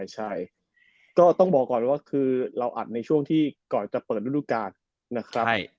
ใช่ก็ต้องบอกก่อนว่าคือเราอัดในช่วงที่ก่อนจะเปิดฤดูกาลนะครับ